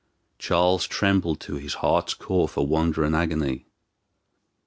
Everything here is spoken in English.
Charles trembled to his heart's core for wonder and agony.